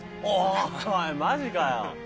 おいマジかよ。